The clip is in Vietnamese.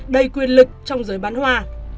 đầy quyền lực trong giới bán hoa